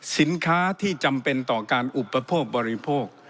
สินค้าที่จำเป็นต่อการอุปโภคบริโภค